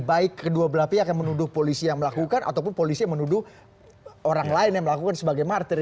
baik kedua belah pihak yang menuduh polisi yang melakukan ataupun polisi yang menuduh orang lain yang melakukan sebagai martir